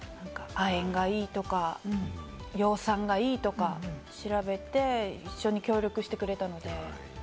亜鉛がいいとか、葉酸がいいとか調べて、一緒に協力してくれたので。